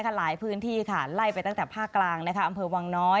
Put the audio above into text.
หลายพื้นที่ค่ะไล่ไปตั้งแต่ภาคกลางอำเภอวังน้อย